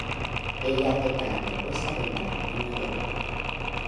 Ella acepta la propuesta de matrimonio de Gary.